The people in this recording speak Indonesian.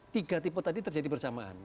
tiga tipe tadi terjadi bersamaan